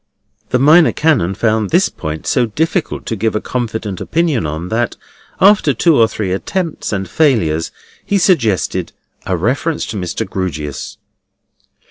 The Minor Canon found this point so difficult to give a confident opinion on, that, after two or three attempts and failures, he suggested a reference to Mr. Grewgious.